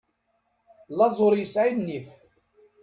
Laẓ ur yesɛi nnif.